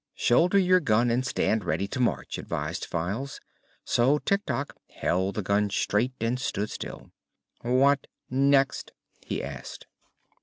"Shoulder your gun and stand ready to march," advised Files; so Tik Tok held the gun straight and stood still. "What next?" he asked.